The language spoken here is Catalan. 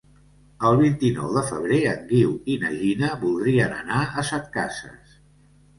El vint-i-nou de febrer en Guiu i na Gina voldrien anar a Setcases.